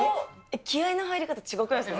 気合いの入り方、違くないですか？